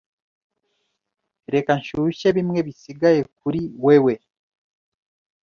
Reka nshyushye bimwe bisigaye kuri wewe.